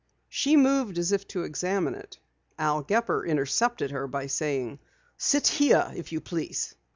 She moved as if to examine it. Al Gepper intercepted her by saying: "Sit here, if you please.